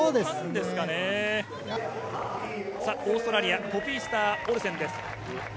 オーストラリア、ポピー・オルセンです。